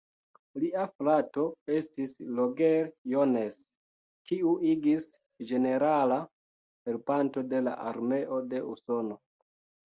Lia frato estis Roger Jones, kiu igis ĝenerala helpanto de la armeo de Usono.